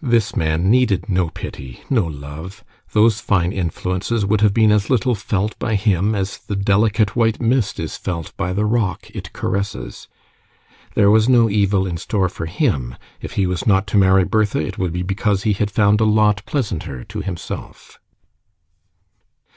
This man needed no pity, no love; those fine influences would have been as little felt by him as the delicate white mist is felt by the rock it caresses. There was no evil in store for him: if he was not to marry Bertha, it would be because he had found a lot pleasanter to himself.